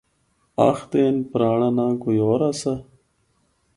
آخدے ہن پرانڑا ناں کوئی ہور آسا۔